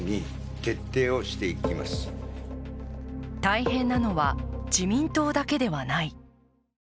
大変なのは自民党だけではない。